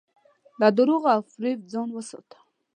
له دروغو او فریب ځان وساته.